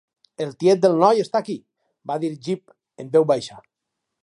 "El tiet del noi està aquí", va dir Jip en veu baixa.